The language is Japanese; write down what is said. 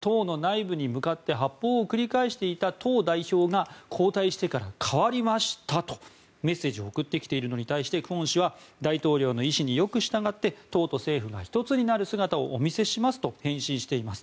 党の内部に向かって発砲を繰り返していた党代表が交代してから変わりましたとメッセージを送ってきているのに対してクォン氏は大統領の意志によく従って党と政府が１つになる姿をお見せしますと返信しています。